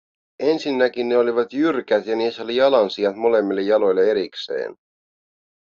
Ensinnäkin ne olivat jyrkät ja niissä oli jalansijat molemmille jaloille erikseen.